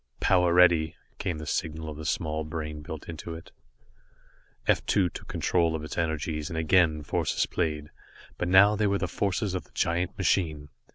"Power ready," came the signal of the small brain built into it. F 2 took control of its energies and again forces played, but now they were the forces of the giant machine.